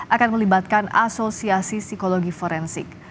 akan melibatkan asosiasi psikologi forensik